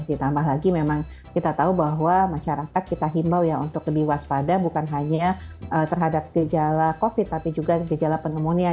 ditambah lagi memang kita tahu bahwa masyarakat kita himbau ya untuk lebih waspada bukan hanya terhadap gejala covid tapi juga gejala pneumonia